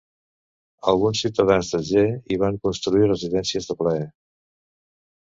Alguns ciutadans d'Alger hi van construir residències de plaer.